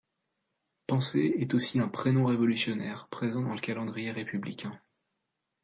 Pensée est aussi un prénom révolutionnaire, présent dans le calendrier républicain.